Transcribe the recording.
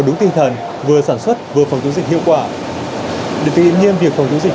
đúng tinh thần vừa sản xuất vừa phòng chống dịch hiệu quả để tự nhiên việc phòng chống dịch